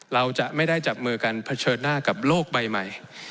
เราจะไม่ได้จับมือกันเผชิญหน้ากับโลกใบใหม่